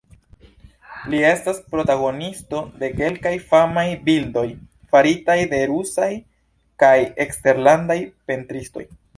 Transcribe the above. Li estas protagonisto de kelkaj famaj bildoj faritaj de rusaj kaj eksterlandaj pentristoj.